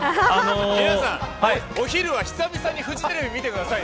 皆さん、お昼は、久々にフジテレビ見てくださいね。